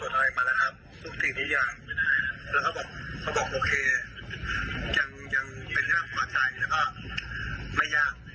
สูตรที่มีอย่างแล้วก็บอกโอเคยังเป็นเรื่องความใจนะคะไม่ยาก